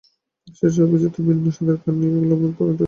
এসেছে অভিজিতের ভিন্ন স্বাদের গান নিয়ে অ্যালবাম পরানটা জুড়াইয়া গেল রে।